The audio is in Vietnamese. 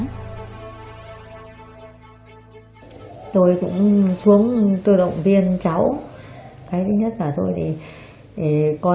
bà thúy cũng như bố mẹ chị tươi đều không đồng ý cho mối quan hệ này